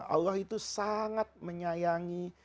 allah itu sangat menyayangi